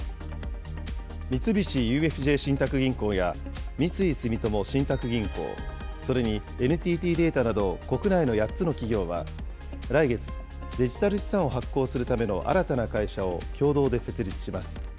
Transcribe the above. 三菱ＵＦＪ信託銀行や三井住友信託銀行、それにＮＴＴデータなど国内の８つの企業は、来月、デジタル資産を発行するための新たな会社を共同で設立します。